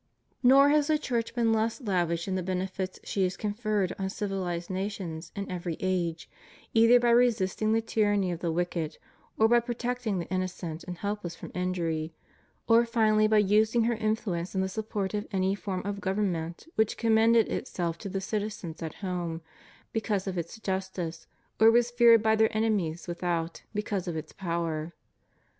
Nor has the Church been less lavish in the benefits she has conferred on civilized nations in every age, either by resisting the tyranny of the wicked, or by protecting the innocent and helpless from injury; or finally by using her influence in the support of any form of government which commended itself to the citizens at home, because of its justice, or was feared by their enemies without, because of its power.